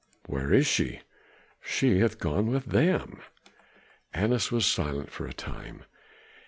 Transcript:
"Where is she?" "She hath gone to them." Annas was silent for a time.